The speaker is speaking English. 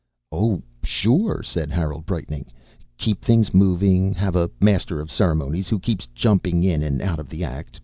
"Oh, sure," said Harold, brightening. "Keep things moving. Have a master of ceremonies who keeps jumping in and out of the act.